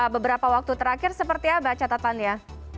beberapa waktu terakhir seperti apa catatannya